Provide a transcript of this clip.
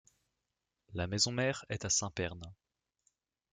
La maison-mère est à Saint-Pern.